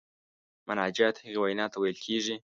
مناجات هغې وینا ته ویل کیږي.